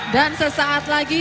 dan sesaat lagi